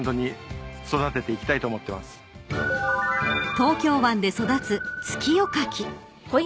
［東京湾で育つ月夜